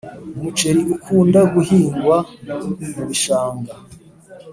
umuceri ukunda guhingwa mubishanga